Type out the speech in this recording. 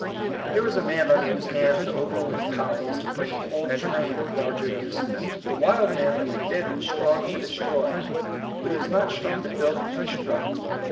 Here was a man under whose hands the overruling Power was to bring a whole train of larger use& The wild man that had been was strong to destroy, but he was not strong to build and con struct.